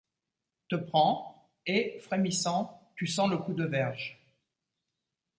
Te prend, et, frémissant, tu sens le coup de verge.